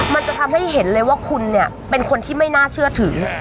มันจะทำให้เห็นเลยว่าคุณเนี่ยเป็นคนที่ไม่น่าเชื่อถือ